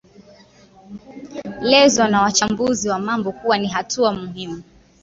lezwa na wachambuzi wa mambo kuwa ni hatua muhimu